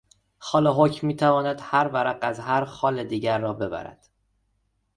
خال حکم میتواند هر ورق از هر خال دیگر را ببرد.